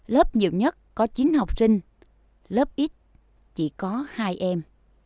lớp nhiều nhất có chín học sinh lớp ít chỉ có hai em